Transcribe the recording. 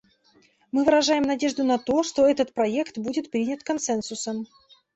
Мы выражаем надежду на то, что этот проект будет принят консенсусом.